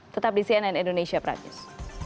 tetap di cnn indonesia prime news